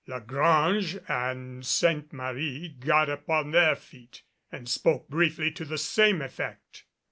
La Grange and Sainte Marie got upon their feet and spoke briefly to the same effect.